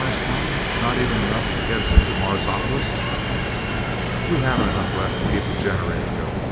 asked Tom. "Not even enough to get us into Marsopolis?" "We haven't enough left to keep the generator going!"